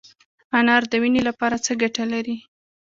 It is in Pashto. انار د وینې لپاره څه ګټه لري؟